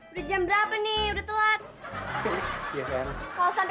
udah jam berapa nih udah telat